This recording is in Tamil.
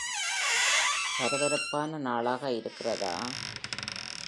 பரபரப்பான நாளாக இருக்கிறதா?